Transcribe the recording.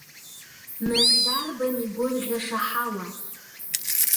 Нас, дарбан игәырӷьаша ҳауа?